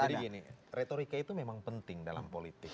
jadi gini retorika itu memang penting dalam politik